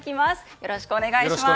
よろしくお願いします。